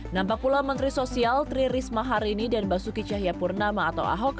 nampak pula menteri sosial tri risma harini dan basuki cahayapurnama atau ahok